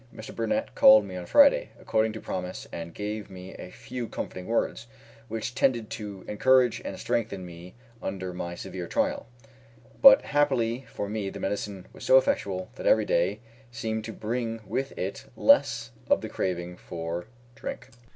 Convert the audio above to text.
Mr. Burnett called on me on Friday, according to promise, and gave me a few comforting words, which tended to encourage and strengthen me under my severe trial; but happily for me the medicine was so effectual that every day seemed to bring with it less of the craving for drink.